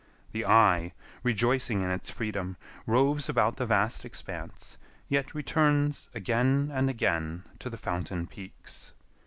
The eye, rejoicing in its freedom, roves about the vast expanse, yet returns again and again to the fountain peaks.